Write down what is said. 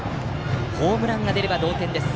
ホームランが出れば同点です。